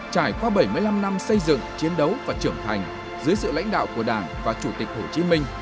trải qua bảy mươi năm năm xây dựng chiến đấu và trưởng thành dưới sự lãnh đạo của đảng và chủ tịch hồ chí minh